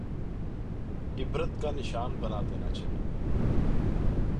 عبرت کا نشان بنا دینا چاہیے؟